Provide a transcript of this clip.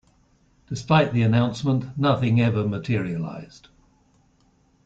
Despite the announcement, nothing ever materialized.